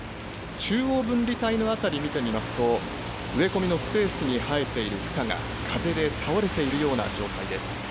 中央分離帯の辺り見てみますと、植え込みのスペースに生えている草が、風で倒れているような状態です。